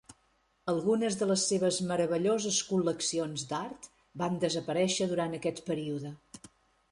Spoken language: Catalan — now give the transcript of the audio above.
Algunes de les seves meravelloses col·leccions d"art van desaparèixer durant aquest període.